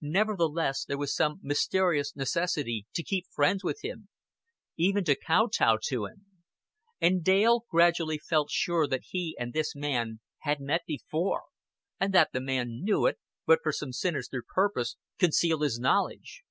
Nevertheless there was some mysterious necessity to keep friends with him, even to kow tow to him. And Dale gradually felt sure that he and this man had met before, and that the man knew it, but for some sinister purpose concealed his knowledge.